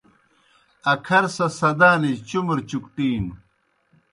اکھر سہ سدانِجیْ چُمر چُکٹِینوْ۔